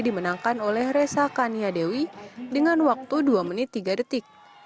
dimenangkan oleh resa kania dewi dengan waktu dua menit tiga detik